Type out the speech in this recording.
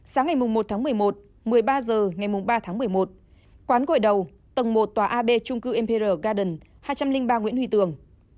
sáng ngày một tháng một mươi một một mươi ba h ngày ba tháng một mươi một quán gội đầu tầng một tòa ab trung cư mpr garden hai trăm linh ba nguyễn huy tường